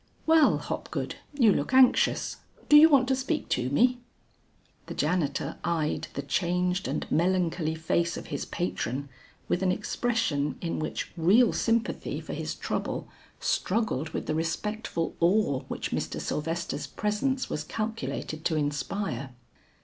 "Well, Hopgood, you look anxious; do you want to speak to me?" The janitor eyed the changed and melancholy face of his patron, with an expression in which real sympathy for his trouble, struggled with the respectful awe which Mr. Sylvester's presence was calculated to inspire.